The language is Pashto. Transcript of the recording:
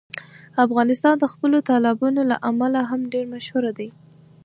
افغانستان د خپلو تالابونو له امله هم ډېر مشهور دی.